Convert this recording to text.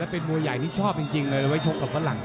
เป็นมวยใหญ่ที่ชอบจริงเลยไว้ชกกับฝรั่ง